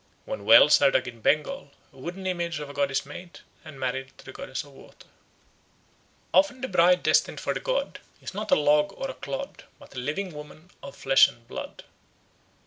When wells are dug in Bengal, a wooden image of a god is made and married to the goddess of water. Often the bride destined for the god is not a log or a cloud, but a living woman of flesh and blood.